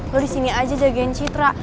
lo disini aja jagain citra